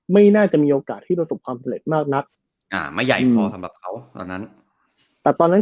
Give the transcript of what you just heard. ไม่น่าจะมีโอกาสที่จะสมความเสร็จมากนัดไม่ใหญ่พอสำหรับเขาตอนนั้น